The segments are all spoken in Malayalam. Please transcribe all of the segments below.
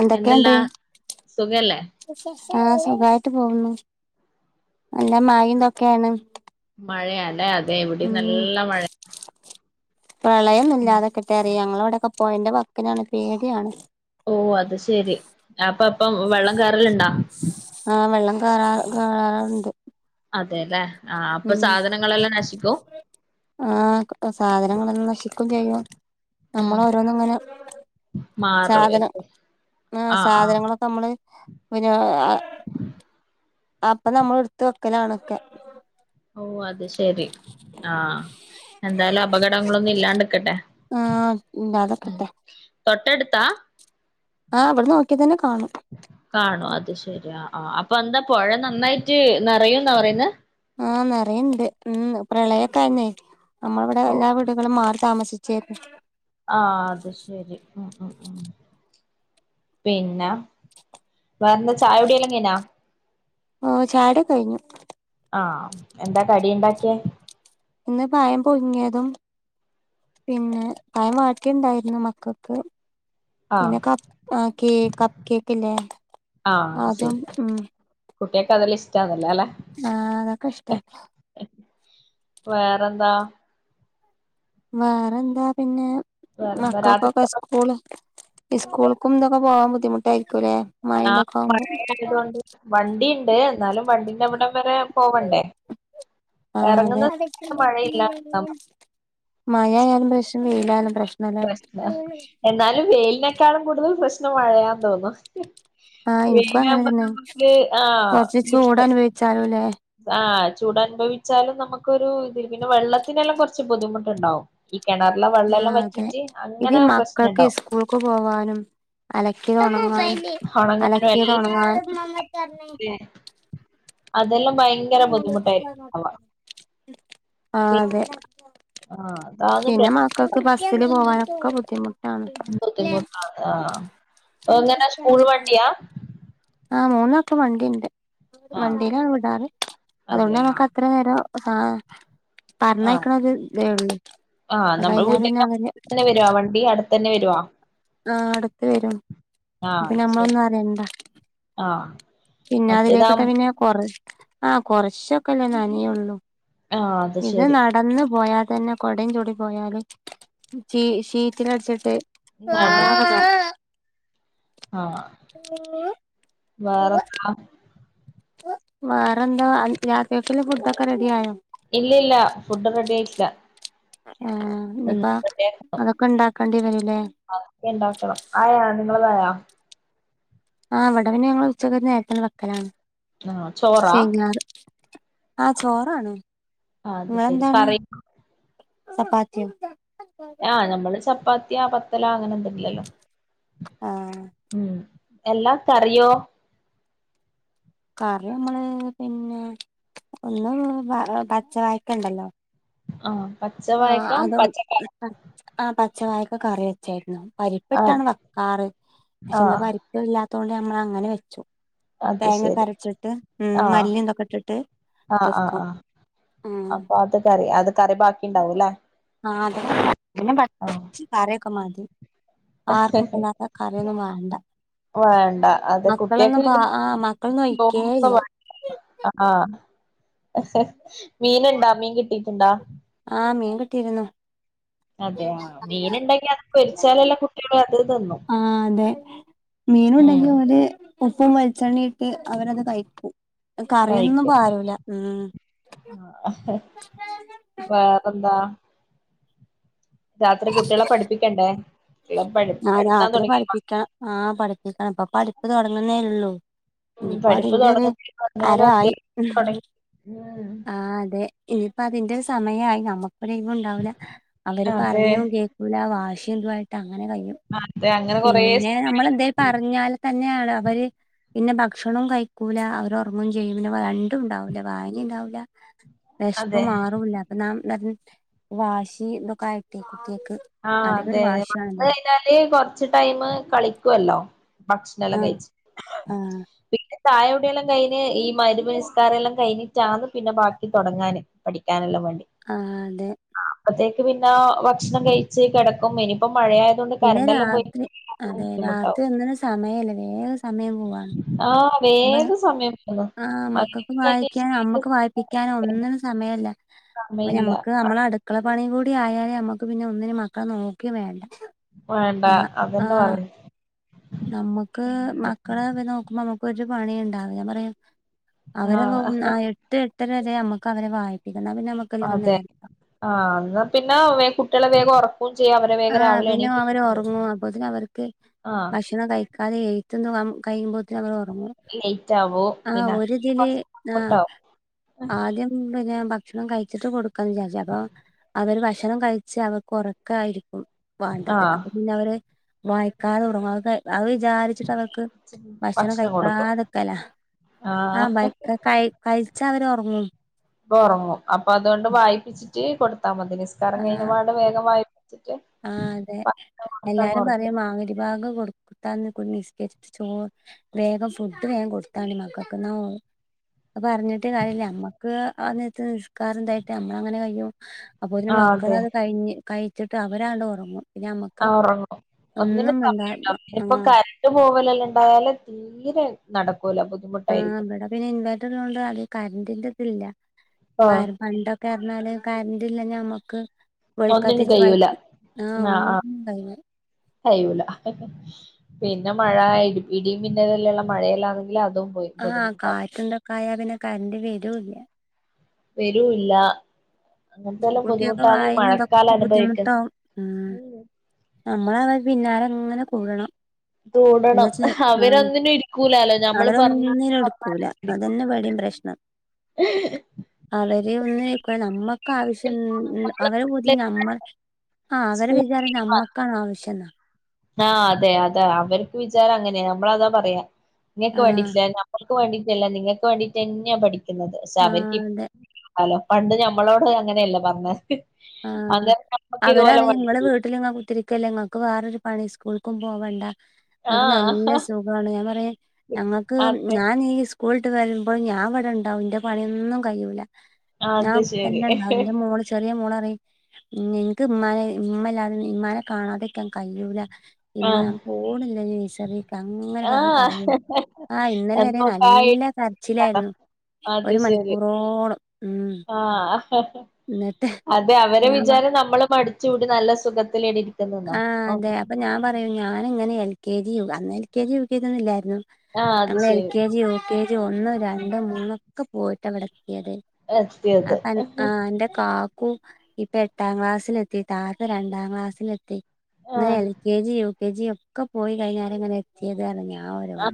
എന്തൊക്കെയുണ്ട് എന്തെല്ലാ സുഖല്ലേ ആ സഖായിട്ട് പോകുന്നു നല്ല മയിം ന്തൊക്കെയാണ് മഴയല്ലേ അതെ എവിടെ നല്ല മഴയ പ്രളയം ഇല്ലാതെക്കട്ടെ അതെ ഞങ്ങളവിടെയൊക്കെ പോയെൻ്റെ വക്കിനാണ് പേടിയാണ് ഓ അത് ശെരി അപ്പ പ്പം വെള്ളം കേറല്ണ്ടാേ കേ കേറണ്ട് അതേല്ലേ ആഹ് അപ്പൊ സാധനങ്ങളെല്ലാം നശിക്കും? ആഹ് സാധനങ്ങളെല്ലാം നശിക്കും ചെയ്യും ഉം നമ്മൾ ഓരോന്നുംങ്ങനെ മാറും സാധനം ആഹ് ആ ആ സാധനങ്ങളൊക്കെമ്മള് പിന്നെ അ അപ്പൊ നമ്മൾട്ത്ത് വെക്കലാണൊക്കെ ഓ അത് ശെരി ആഹ് എന്തായാലും അപകടങ്ങളൊന്നും ഇല്ലാണ്ട്ക്കട്ടെ ആഹ് ഉം ഇല്ലാതെക്കട്ടെ തൊട്ടട് ത്താ ആ ഇവ്ട്ന്ന് നോക്ക്യാ തന്നെ കാണും കാണോ അത് ശെരിയ ആ അപ്പൊ എന്താ പൊഴ നന്നായിട്ട് നെറയുംന്നാ പറയ്ന്നെ ആഹ് നിറയുണ്ട് മ്മ് പ്രളയൊക്കെ ആരുന്നെ നമ്മളിവിടെ ഓ എല്ലാ വീടുകളും മാറി താമസിച്ചേക്ക ആ അത് ശരി മ്മ് മ്മ് മ്മ് പിന്നെ വേറെന്താ ചായ കുടി എല്ലാം കയിഞ്ഞോ ഓഹ് ചായൊടൊക്കെ കഴിഞ്ഞു ആഹ് എന്താ കടി ഇണ്ടാക്കിയെ ഇന്ന് പയം പുഴുങ്ങിയതും പിന്നെ പയം വാട്ടിണ്ടായിരുന്നു മക്കൾക്ക് ആഹ് പിന്നെ കപ്പ് ആ കേ കപ്പ് കേക്ക് ഇല്ലേ ആഹ് അത് അതും ശരി മ്മ് കുട്ടികൾക്ക് അതെല്ലാം ഇഷ്ടാന്നല്ലോ അല്ലെ ആഹ് അതൊക്കെ ഇഷ്ട വേറെന്താ വേറെന്താ പിന്നെ വേറെന്താ രാത്രി മക്കൾക്കൊക്കെ സ്കൂളും സ്കൂൾക്കുംന്തൊക്കെ പോവാൻ ബുദ്ധി ബുദ്ധിമുട്ടായിരിക്കൂലെ ആഹ് മഴ ആയതൊണ്ട് വണ്ടിയുണ്ട് എന്നാലും വണ്ടീന്റെവിടെ വരെ പോവണ്ടേ ആഹ് അതെ ഇറങ്ങുന്ന സ്ഥലത്ത് മഴയില്ല മയയയാലും പ്രശ്‌നം വെയിലായാലും പ്രശ്നല്ലേ പ്രശ്‌നാ എന്നാലും വേലിനൊക്കെ ക്കാളും കൂടുതൽ പ്രശ്നം മഴയാന്ന് തോന്നു ആഹ് എനിക്കും അങ്ങനെ തന്നെ കൊറച്ച് ചൂട് അനുഭവിച്ചാലുംല്ലേ ആ ചൂട് അനുഭവിച്ചാലും നമുക്കൊ ഒരു ഇത് പിന്നെ വെള്ളത്തിനെല്ലാം കുറച്ച് ബുദ്ധിമുട്ടുണ്ടാവും കിണറിലെ വെള്ളെല്ലാം ആഹ് അതെ വറ്റിട്ട് ഇത് അങ്ങനെ മക്കൾക്ക് പ്രശ്നണ്ടാവും സ്കൂൾക്ക് പോവാനും അല ക്കിയോണങ്ങാന് അഹ് ഒണങ്ങാനും എല്ലാം അലക്കിയതൊണങ്ങാൻ അതെല്ലാം ഭയങ്കര ബുദ്ധിമുട്ടായിരിക്കും ഉണ്ടാവ ആ അതെ ആഹ് അതാണ് പിന്നെ പ്രശ്നം മക്കൾക്ക് ബസ്സില് പോവാനൊ ഒക്കെ ബുദ്ധിമു ബുദ്ധിമുട്ടാണ് ആ എങ്ങനെ സ്കൂൾ വണ്ടിയ ആഹ് മോനൊക്കെ വണ്ടി ഉണ്ട് ആഹ് വണ്ടീനാണ് വിടാറ് അതുകൊണ്ട് അതെ നമുക്ക് ആഹ് അത്രേ നേരോം ഹാ ആഹ് പറഞ്ഞെക്കണത് ഇതേയുള്ളു ആഹ് നമ്മൾ കഴിഞ്ഞ പിന്നെ വീട്ടിന്റെ അവന് അടുത്തന്നെ വരുവാ വണ്ടി അടുത്തന്നെ വരുവാ ആഹ് അടുത്ത് വരും ആഹ് പിന്നെ അത് ശരി നമ്മളൊന്നും അറിയണ്ടാ ആഹ് പിന്നെ മറ്റേതാ അതിലേക്കിട്ട പിന്ന കൊറ ആഹ് കൊറച്ചൊക്കെല്ലേ നനേയുള്ളൂ ആഹ് അത് ഇത് ശരി നടന്നു പോയാ തന്നെ കൊടയും ചൂടി പോയാല് ചീ ഷീറ്റിലടിച്ചിട്ട് വാ എന്നാടെ ആഹ് ഊ വേറെന്താ വേറെന്താ രാത്രിക്കുള്ള ഫുഡ് ഒക്കെ റെഡി ആയോ ഇല്ല ഇല്ല ഫുഡ് റെഡി ആയി ച്ച ആണാ ഫുഡേ അതെക്കെണ്ടാക്കണം ആയാ നിങ്ങളതായാ ആ ഇവിടപിന്നെ ഞങ്ങൾ ഉച്ചകരിഞ്ഞ് നേരത്തിന് വെക്കലാണ് ആഹ് ചോറാ ആഹ് ചോറാണ് അത് ശെരി നിങ്ങളെന്താണ് പറയ് ചപ്പാത്തിയോ ആഹ് നമ്മള് ചപ്പാ പത്തിയാ പത്തലാ അങ്ങനെന്തങ്കില്ലല്ലോ ആ ഉം എല്ലാംക്കറിയോ കറി നമ്മള് പിന്നെ ഒന്ന് പ പച്ച അയ്ക്കണ്ടല്ലോ ആഹ് ആഹ് പച്ചവായക്കാം അതോ പച്ചക്കറി ആ പച്ചവായ ക്ക കറി വെച്ചായിരുന്നു. ആഹ് പരിപ്പിട്ടാണ് വക്കാറ് പക്ഷെ ഇന്ന് ആഹ് പരിപ്പ് ഇല്ലാ ത്തൊണ്ട് നമ്മള് അങ്ങനെ വെച്ചു അത് തേങ്ങ ഒക്കെ ശരി അരച്ചിട്ട് ഉം ആഹ് മല്ലിം ഇതൊക്കെ ഇട്ടിട്ട് ആഹ് ആഹ് വെക്കും ആഹ് ഉം അപ്പൊ അത് കറി അത് കറി ബാക്കി ഇണ്ടാവുല്ലേ ആഹ് [inaudible] കറിയൊക്കെ മതി. ആർക്കും ഇപ്പങ്ങനത്തെ കറിയൊന്നും വേണ്ട വേണ്ട അത് കുട്ടികൾക്ക് മക്കളൊന്നും പ പിന്നെ ആ മക്കളൊന്നും ഒഴിക്കേ ചോറൊന്നും ഇല്ല വേണ്ട ആഹ് മീനുണ്ടാ മീൻ കിട്ടിട്ടുണ്ടാ ആഹ് മീൻ കിട്ടിയിരുന്നു. അതെയ മീൻ ഇണ്ടെങ്കി അത് പൊരിച്ചാലെല്ലാം കുട്ടികള് അത് തിന്നും മീന് ഉം ഉണ്ടെങ്കി ഒരേ ഉപ്പും വെളിച്ചെണ്ണെ ഇട്ട് അവരത് കഴിക്കും കറിയൊന്നും കഴിക്കും പാരൂല ഉം ആഹ് വേറെന്താ രാത്രി കുട്ടിയളെ പഠിപ്പിക്കണ്ടേ [unintelligible] എടു ആ എടുക്കാൻ രാത്രി തുടങ്ങീണോ? പ്പ് തുടങ്ങുന്നേള്ളൂ ഉം പഠിപ്പ് [inaudible] എന്നാലും അരായി അത്യാവശ്യം തുടങ്ങി ഉം ഇനിയിപ്പ അതിന്റെ സമയായി നമു ക്ക് ലീവുണ്ടാവൂല അവര് അതെ പറഞ്ഞു ഓലെ ആ വാശിയും ഇതു ആയിട്ട ങ്ങനെ കയ്യും അതെ അങ്ങനെ കൊറേ പിന്നെ നമ്മൾ എന്തേ പറഞ്ഞാല് തന്നെയാണ് അവര് പിന്നെ ഭക്ഷണോം കഴിക്കൂല അവരൊറങ്ങും ചെയ്യും പിന്നെ വ രണ്ടും ഇണ്ടാവൂല വായനേം ഇണ്ടാവൂല വിശപ്പ് അതെ മാറൂല അപ്പൊ [unintelligible] വാശി ഇതൊക്കായിട്ടെ കുട്ടിയക്ക് ആഹ് അതെ വന്ന് കഴിഞ്ഞാല് കൊറച്ച് ടൈം കളിക്കുല്ലോ ആ ഭക്ഷണെല്ലാം കയ്ച്ച് ആ പിന്നെ ചായകുടിയെല്ലാം കഴിഞ്ഞ് ഈ മഗ്‌രിബ് നിസ്കാരെല്ലാം കഴിഞ്ഞിട്ടാണ് പിന്നെ ബാക്കി തുടങ്ങാന് പഠിക്കാനെല്ലാം വേ ആ അതെ ക്ക് പിന്നെ ഭക്ഷണം കഴി ച്ച് കിടക്കും ഇനിപ്പം പിന്നെ രാത്രി അതെ ബുദ്ധിമുട്ടാവും രാത്രി ഒന്നിനും സമയല്ല വേ സമയംപോവന്നെ വേഗ സമയം പോവുന്നു ആ മക്കൾക്ക് മഗ്‌രിബ് വായിക്കാനോ കഴിഞ്ഞേച്ച് അമ്മക്ക് വായിപ്പിക്കാനോ ഒന്നിനും സമയല്ല അപ്പ സമയില്ല ഞമ്മുക്ക് നമ്മള അടുക്കള പ പണി കൂടി ആയാലേ നമുക്ക് പിന്നെ ഒന്നിനും മക്കളെ നോക്കി വേണ്ട വേണ്ട [unintelligible] ആ അതന്നെ പറയും നമ്മുക്ക് മക്കളെ നോക്കുമ്പോ നമുക്ക് ഒരു പണി ഉണ്ടാ [unintelligible] അവരെ [unintelligible] ആഹ് ഇത്രരരെേ നമുക്ക് അവരെ വായി അതെ ആഹ ന്ന പിന്നെ കുട്ടികളെ വേഗം ഉറ ആഹ് പിന്നെ അവര് ഉറങ്ങും അപ്പൊതിെ അവർക്ക് ആഹ് ഭക്ഷണം കഴി [unintelligible] കഴുമ്പഴത്ത ലേറ്റ് ആവോ ആ പിന്നെ അങ്ങനെ ഒരുതില് കൊറച്ച് ആ ബുദ്ധിമുട്ടാവും ആദ്യം [unintelligible] ഭക്ഷണം കഴിച്ചിട്ട് കൊടുക്കാന്ന് വിചാരിച്ച അപ്പൊ അവര് ഭക്ഷണം കഴിച്ച് അവർക്ക് ഉറക്കാ [unintelligible] വേണ്ടത് ആഹ് അത് പിന്നെ അവര് വായക്കാത ഉറ [unintelligible] അത് വിചാരിച്ചിട്ട് അവർക്ക് ഭക്ഷണം കഴിക്കാതക്കല്ല ആഹ് [unintelligible] ച്ച അവർ ഉറങ്ങും ഉറങ്ങും അപ്പൊ അതുകൊണ്ട് വായിപ്പിച്ചി [unintelligible] തമതിനിസ്കാരം ആ കഴിഞ്ഞപാട് വേഗമാ [unintelligible] ആ അതെ കൊടുത്തങ്ങ് എല്ലാരും പറയാ ഒറക്കി മാ [unintelligible] വേഗം [unintelligible] നിശ്ചച്ചിട്ട് ചോ വേഗം ഫുഡ് വേഗൻ കൊടുത്താ മക്കൾക്ക്ന്ന [unintelligible] അ പറഞ്ഞിട്ട് കാരില്ല നമ്മക്ക് നിസ്കാർ എന്തായിട്ട് നമ്മള അങ്ങനെ കയ്യോ അപ്പൊതിന് ആഹ് മക്കള അതെ അത് കഴിഞ്ഞ് കഴി അ വരാണ്ട് ഉറങ്ങും ആ ഉറങ്ങോ ഒന്നിനന് മിണ്ടാ സമയംണ്ടോ ഇ ഇപ്പോ ആഹ് കരണ്ട് പോവലല്ല ണ്ടായാലും തീരെ നട ആ അവിടെ പിന്നെ ഇൻവേർട്ടറണ്ട് അത് കറണ്ടിന്റെ ല്ല ആ [unintelligible] പണ്ടൊക്കെ അറഞ്ഞാല് കറൻ്റ് ഇല്ല ഞമുക്ക് വിളക്ക് ഒന്നിനും കത്തിച്ച് കയ്യൂല വായിക്കും ആ ഒന്നും ഉണ്ടായില്ല കഴിയൂല ഹ ഹ പിന്നെ മഴ ഇടി ഇടിയും മിന്നലുമുള്ള മഴയെല്ലാം ആഹ കാറ്റ് ഉണ്ടൊക്കെ ആയാ പിന്നെ കറൻ്റ് വരൂല്ല വരൂല്ല അങ്ങനത്തെ എല്ലാം കുട്ടികൾക്ക് ബുദ്ധിമുട്ടാണ് ഈ വായനിം മഴക്കാലം ഇതൊക്കെ അനുഭവിക്കുന്നത് നമ്മള് അവരുടെ പിന്നാലെ ഇങ്ങനെ കൂടണം കൂടണം എന്താച്ചാ ആ അവരൊന്നിനും ഇരിക്കൂലാലോ ഞമ്മള് പറഞ്ഞ അവരൊന്നിനും പറഞ്ഞ എടുക്കൂല അത് തന്നെ ഇവിടെയും പ്രശ്നം അവര് ഒന്നും ഏൽക്കൂല്ല നമ്മ മ്മക്ക് ആവശ്യം. ല്ല നമ്മള് അവരുടെ ബുദ്ധി നമ്മ.. ആഹ് അവരുടെ വിചാരം സ്കൂട്ടി നമ്മൾക്കാണ് ആവശ്യം എന്നാ ആഹ് അതെ അതെ അവർക്ക് വിചാരം അങ്ങനെയാ നമ്മളതാ പറയാ നിങ്ങൾക്ക് ആഹ് വേണ്ടിട്ടല്ലെ നമ്മ നിക്ക് വേണ്ടീട്ടല്ല നിങ്ങൾക്ക് വേണ്ടീട്ട് തന്നെയാ പഠിക്ക് ക്കുന്നത് പക്ഷേ അവർക്ക് ആഹ് അതെ ലോ പണ്ട് ഞമ്മളോട് അങ്ങനെയല്ലേ പറഞ്ഞെ ആഹ് അന്നേരം നമ്മൾക്ക് ഇതുപോലെ വണ്ടി ല്ലേ നിങ്ങൾക്ക് വേറൊരു പണീം സ്കൂൾക്കും പോവണ്ട നിങ്ങക്ക് നല്ല ആഹ് സുഖാണ് ഞാൻ പറയും ഞങ്ങൾക്ക് അതെ ഞാൻ ഈ സ്കൂള് വിട്ട് വരുമ്പോൾ ഞാൻ ഇവിടെ ഉണ്ടാവും എന്റെ പണിയൊന്നും കഴിയൂല്ല ഞാൻ അത് ഇവിടെ ശരി തന്നെയുണ്ടാവും എന്റെ മോള് ചെറിയ മോള നിനക്ക് ഉമ്മാനെ ഉമ്മയില്ലാതെ ഉമ്മാനെ കാണാതിരിക്കാൻ കഴിയൂല ഉമ്മ ആഹ് ഞാൻ പോണില്ല നഴ്സറിയിലേക്ക് അങ്ങനെ പറഞ്ഞ് ആഹ് കരഞ്ഞ് ആ ഇന്നലെ വരെ നല്ല കരച്ചിലായിരുന്നു ഒരു മണിക്കൂറോളം ഉം ആ ഹ ഹ എന്നിട്ട് അത് ടെ അവര്ടെ ഞാൻ പ വിചാരം നമ്മൾ മടിച്ച് കൂടി നല്ല സുഖത്തിലേ ആ അതെ അപ്പൊ ഞാൻ പറയും ഞാനിങ്ങനെ കെ ജി യു അന്ന് L K G U K G യൊന്നും ഇല്ലായിരുന്നു അത് നമ്മൾ എൽ ശരി കെ ജി യു കെ ഒന്ന് രണ്ട് മൂന്നൊക്കെ പോയിട്ട് അവിടെ എത്തിയത് എത്തിയത് അപ്പം എൻ ആ എൻ്റെ കാ ഇപ്പൊ എട്ടാം ക്ലാസ്സിൽ എത്തി താത്ത രണ്ടാം ക്ലാസ്സിൽ എത്തി എത്തി മ്മേ എൽ ആഹ് K G U K G ഒക്കെ പോയി കഴിഞ്ഞാണ് ഇങ്ങനെ എത്തിയത് അറിഞ്ഞാ അവരോട്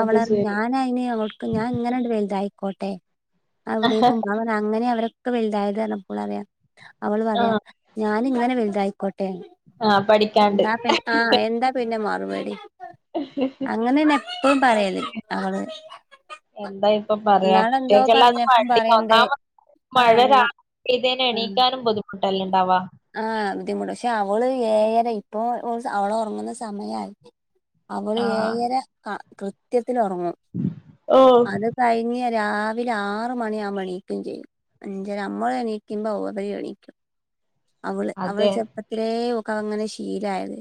അവള് പറഞ്ഞ് ശരി അയിന് അവൾക്ക് ഞാൻ ഇങ്ങനെണ്ട് വലുതായി പോട്ടെ അവിടേക്കും അവൻ അങ്ങനെ അവരെ- ഇപ്പൊ വെലിതായത് കാരണം പിള്ളേരെ അ അവള് പറയവാ ആഹ് ഞാന് ഇങ്ങനെ വെലുതായി ഏ ആഹ് പഠിക്കാണ്ട് എന്ന പി ആ എന്താ പിന്നെ മാ [unintelligible] ഹിഹിഹി പറയല് അതെ അവള് എന്താ ഇപ്പൊ പറയാ ഇന്നാളെന്തോ കുട്ടികൾക്ക് എല്ലാർക്കും പറഞ്ഞപ്പം മടിയാ പറയണ്ട് ഒന്നാമത് ആ മഴ ഞാ രാവിലെന്നെ ആ എണീക്കാനും ബുദ്ധിമുട്ട് - ആ ബുദ്ധിമുട്ട് പക്ഷേ അവ ഏറെ ഇപ്പൊ അവള് ഒറങ്ങുന്ന സമയായി അവള് ആഹ് ഏഴര ആണ് കൃത്യത്തി - ത്തിന് ഒറങ്ങും ഓഹ് അത് കഴിഞ്ഞ്- രാവിലെ ആറു മണിയാവുമ്പോ എണീക്കെയും ചെയ്യും അഞ്ചര ന മ്മള് എണീക്കുമ്പോ ഓള് എണീക്കും അവള് അതെ ചെറുപ്പത്തിലെ- അങ്ങനെ ശീലി - തായതു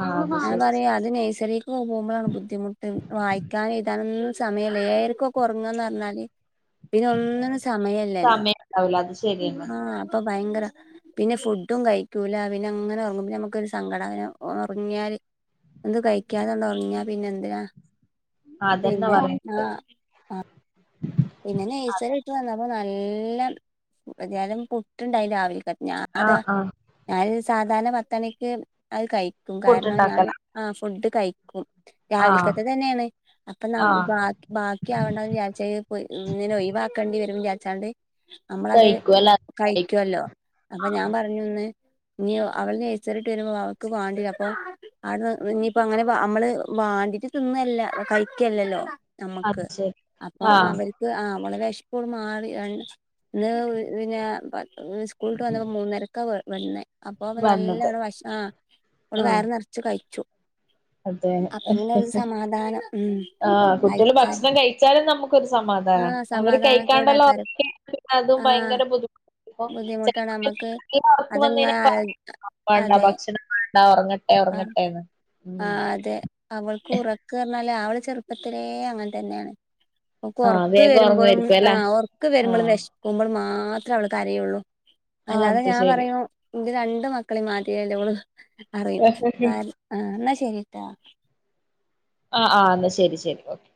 ആഹ് അത് ഞാൻ ശരി പറയാ അത് നേഴ്സറിയേക്ക് പോകുമ്പോഴാണ് ബുദ്ധിമുട്ട് വായിക്കാനും എഴുതാനും ഒന്നും സമയമില്ല ഏഴരക്കും ഒറങ്ങാന്ന് പറഞ്ഞാല് പിന്നെ ഒന്നിനും സമയല്ലല്ലോ സമയം ഉണ്ടാവൂല അത് ശരിയെന്നെ ആ അപ്പൊ ഭയങ്കര- പിന്നെ ഫുഡും കഴിക്കൂല പിന്നെ അങ്ങനെ ഒറങ്ങും നമ്മുക്കൊരു സങ്കടമാ അങ്ങനെ ഒറങ്ങിയാല് ഒന്നും കഴിക്കാത കൊണ്ട് ഒ റങ്ങിയാ പിന്നെ എന്തിനാ അതന്നെ പിന്നെ പറയാ ആ- പിന്നെ നേഴ്സറി അതെ വിട്ടു വന്നപ്പോ ന എല്ലാം ശകലം പുട്ടുണ്ടായി രാവിലത്തെ- ഞാ അതാ ആഹ് ആഹ് ഞാൻ സാധാരണ പത്തമണിക്ക് അത് കഴിക്ക് കഴിക്കും കാരണം ഞാൻ പുട്ടുണ്ടാക്കല ആ ഫുഡ്- കഴിക്കും ആഹ് രാവിലത്തെ തന്നെയാണ് അപ്പൊ ആഹ് ബാക്കി ആവണ്ട വിചാരിച്ച്- ഇങ്ങനെ ഒഴിവാക്കേണ്ടി- വരും വിചാരിച്ചോണ്ട്- നമ്മളത് കഴിക്കുവല്ല കഴിക്കുവല്ലോ അപ്പൊ ഞാൻ പറഞ്ഞുന്ന്- ഇനി അവൾ നെയ്സറിവിട്ട് വരുമ്പോ അവൾക്ക് വാണ്ട അപ്പൊ അവിടെ ഇനിയിപ്പോ അങ്ങനെ നമ്മള് വാണ്ടതിന്നല്ല കഴിക്കല്ലല്ലോ അത് ശെരി ആഹ് ആഹ് അവളെ വിശപ്പോള് മാറി [unintelligible] ഇന്ന് വ് പിന്നെ സ്കൂൾട്ട് വന്നപ്പോ മൂന്നരക്ക വ വന്നെ അപ്പൊ അപ്പ വന്നത് നല്ലവടെ ഭഷണം ആ ഓള് നല്ലോണം ആഹ് വയറ് നെറച്ച് കഴിച്ചു അതെ അപ്പൊ പിന്നെ ഒരു സമാധാനം ഉം ആഹ് കുട്ട്യാള് കഴിച്ചാൽ ഭക്ഷണം കഴിച്ചാലും നമ്മക്കൊരു സ ആ സമാധാനം അവര് കഴിക്കാണ്ടല്ലാം സമാധാനക്കേടാക്കാരം ഉറങ്ങികഴിഞ്ഞ പിന്ന അതും ആ ഭയങ്കര ബുദ്ധിമുട്ടാണ് നമ്മക്ക് ബുദ്ധിമുട്ടക്ക് വന്ന അതങ്ങ ആലോ വേണ്ട അതെ ഭക്ഷണം വേണ്ട ഉറങ്ങട്ടെ ആ ഉറങ്ങട്ടെന്ന് ആ ഉം അതെ അവൾക്ക് ഉറക്ക് പറഞ്ഞ ല്ല അവള് ചെറുപ്പത്തിലേ അങ്ങനെ തന്നേണ്. ഓക്ക് ആഹ് ഒർക്ക് വേഗം വരുമ്പളും ഉറങ്ങുവായിരിക്കും അല്ലെ ആഹ് ഒർക്ക് വരുമ്പളും ആഹ് വേശ്ക്ക്മ്പളും മാ മാത്രാവള് കരയുള്ളൂ ആഹ് അല്ലാതെ അത് ഞാൻ ശരി പറേണു ന്റെ രണ്ട്മക്കളേം മാതിരിയല്ലോള് പറയും ആഹ് കാര് എന്നാ ശെരിട്ടാ ആഹ് ആ എന്നാ ശെരി ശെരി ഓക്കെ